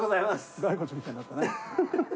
骸骨みたいになったね。